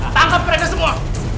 tangkap mereka semua